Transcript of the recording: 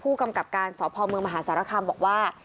ผู้กำกับการสพเมืองมหาสารคามบอกว่า